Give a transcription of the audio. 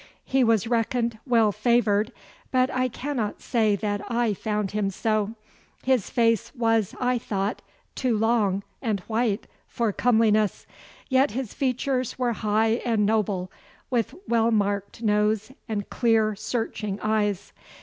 He was reckoned well favoured, but I cannot say that I found him so. His face was, I thought, too long and white for comeliness, yet his features were high and noble, with well marked nose and clear, searching eyes.